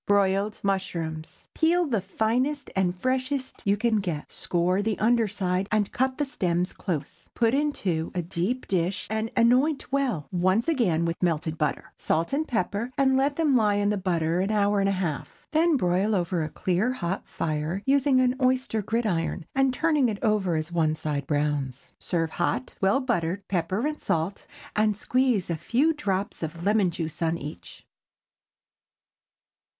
BROILED MUSHROOMS. Peel the finest and freshest you can get, score the under side, and cut the stems close. Put into a deep dish and anoint well, once and again, with melted butter. Salt and pepper, and let them lie in the butter an hour and a half. Then broil over a clear, hot fire, using an oyster gridiron, and turning it over as one side browns. Serve hot, well buttered, pepper and salt, and squeeze a few drops of lemon juice upon each.